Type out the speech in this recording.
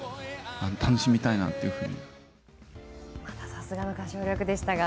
さすがの歌唱力でしたが。